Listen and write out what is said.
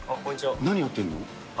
何やってるの？